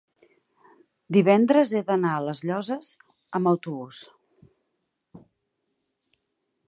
divendres he d'anar a les Llosses amb autobús.